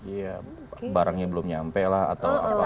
iya barangnya belum nyampe lah atau apalah gitu ya